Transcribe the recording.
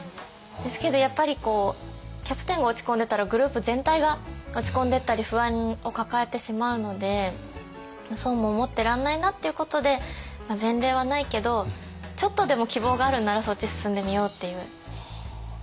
ですけどやっぱりキャプテンが落ち込んでたらグループ全体が落ち込んでったり不安を抱えてしまうのでそうも思ってらんないなっていうことで前例はないけどちょっとでも希望があるんならそっち進んでみようっていう感じになりました。